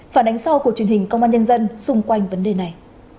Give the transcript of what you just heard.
phản ánh sau của truyền hình công an nhân dân xung quanh vấn đề này